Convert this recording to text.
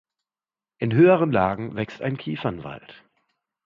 In höheren Lagen wächst ein Kiefernwald.